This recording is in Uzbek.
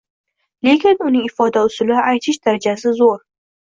Lekin uning ifoda usuli, aytish darajasi zoʻr